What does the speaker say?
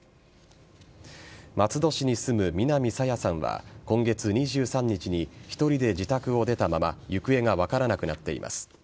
松戸市に住む南朝芽さんは今月２３日に１人で自宅を出たまま行方が分からなくなっています。